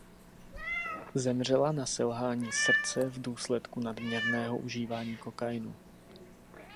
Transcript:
Zemřela na selhání srdce v důsledku nadměrného užívání kokainu.